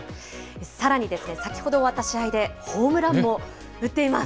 さらにですね、先ほど終わった試合でホームランも打っています。